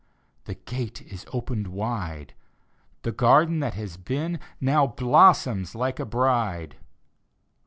The gate is opened wide— Tlie garden that has been Now blossoms like a bride